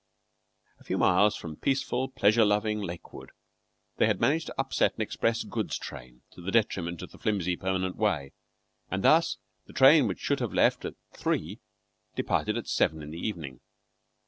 A few miles from peaceful, pleasure loving Lakewood they had managed to upset an express goods train to the detriment of the flimsy permanent way; and thus the train which should have left at three departed at seven in the evening.